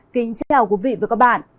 kính chào quý vị và các bạn